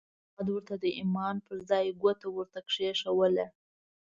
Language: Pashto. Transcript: احمد ورته د ايمان پر ځای ګوته ورته کېښوده.